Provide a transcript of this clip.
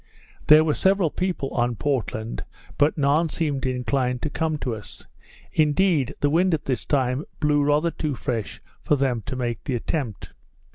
There were several people on Portland, but none seemed inclined to come to us; indeed the wind, at this time, blew rather too fresh for them to make the attempt.